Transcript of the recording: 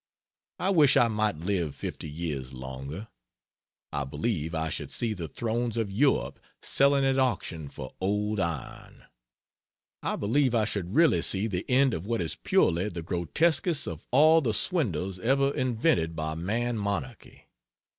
I wish I might live fifty years longer; I believe I should see the thrones of Europe selling at auction for old iron. I believe I should really see the end of what is surely the grotesquest of all the swindles ever invented by man monarchy.